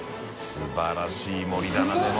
素晴らしい盛りだなでも。